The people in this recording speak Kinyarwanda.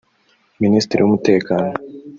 Minisitiri w’umutekano